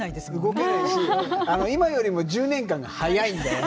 動けないし今よりも１０年間が早いんだよね。